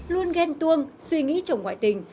luôn ghen tuông suy nghĩ chồng ngoại tình